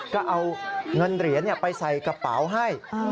ก็เอาเงินเหรียญไปใส่กระเป๋าให้